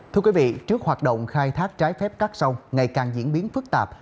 thưa quý vị trước hoạt động khai thác trái phép các sông ngày càng diễn biến phức tạp